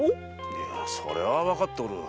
いやそれはわかっておる。